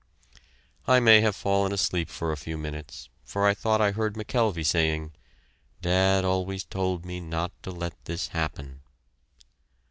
I may have fallen asleep for a few minutes, for I thought I heard McKelvey saying, "Dad always told me not to let this happen."